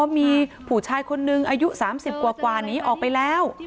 มีผู้ชายคนนึงอายุ๓๐กว่าหนีออกไปแล้ว